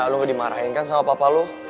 lu gak dimarahin kan sama papa lo